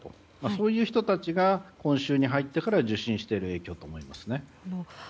こういう人たちが今週に入ってから受診していると思います。